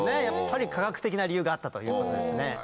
やっぱり科学的な理由があったということですね。